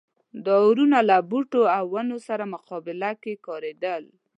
دا اورونه له بوټو او ونو سره مقابله کې کارېدل.